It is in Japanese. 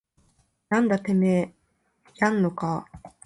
なんだててめぇややんのかぁ